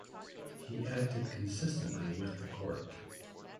He acted consistently with the Court.